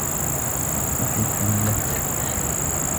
صَحِيحًا لَك